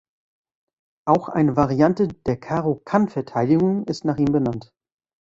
Auch eine Variante der Caro-Kann-Verteidigung ist nach ihm benannt.